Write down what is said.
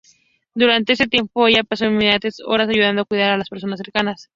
Durante este tiempo, ella pasó innumerables horas ayudando a cuidar a personas cercanas.